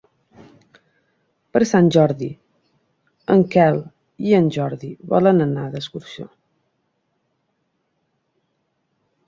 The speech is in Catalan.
Per Sant Jordi en Quel i en Jordi volen anar d'excursió.